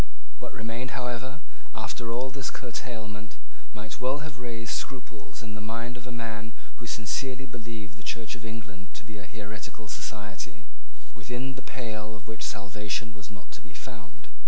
What remained, however, after all this curtailment, might well have raised scruples in the mind of a man who sincerely believed the Church of England to be a heretical society, within the pale of which salvation was not to be found.